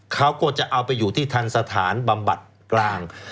เขาก็จะเอาไปอยู่ที่ทันสถานบำบัดกลาง